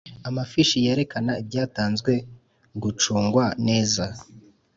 Amafishi yerekana ibyatanzwe gucungwa neza